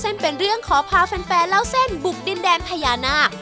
เส้นเป็นเรื่องขอพาแฟนเล่าเส้นบุกดินแดนพญานาค